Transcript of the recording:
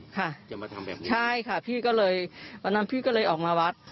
ค่ะใช่ค่ะพี่ก็เลยวันนั้นพี่ก็เลยออกมาวัด